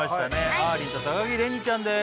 あーりんと高城れにちゃんです